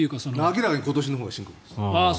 明らかに今年のほうが深刻です。